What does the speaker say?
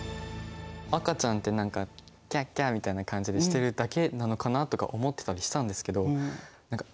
赤ちゃんって何かキャッキャッみたいな感じでしてるだけなのかなとか思ってたりしたんですけど何かちゃんとコミュニケーションをとってる